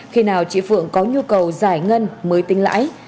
khi nào chị phượng có nhu cầu giải ngân mới tính lãi